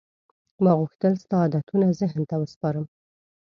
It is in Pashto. ما غوښتل ستا عادتونه ذهن ته وسپارم.